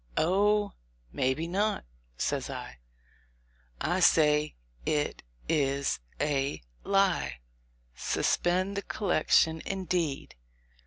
"Oh! may be not," says I. "I say it — is — a — lie. Suspend the collection, indeed